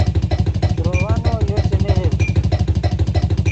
درووّا نو یو چے نیغڤڈ